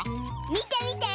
みてみて！